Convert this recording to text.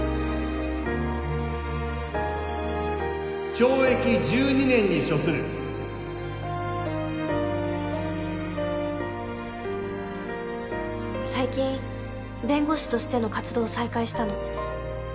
懲役１２年に処する最近弁護士としての活動を再開したの。